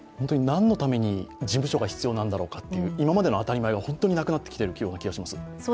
なんのために事務所が必要なんだろうかという今までの当たり前が本当になくなってきているような気がします。